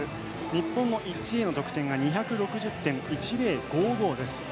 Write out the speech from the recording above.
日本の１位の得点が２６０．１０５５です。